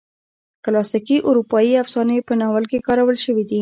کلاسیکي اروپایي افسانې په ناول کې کارول شوي دي.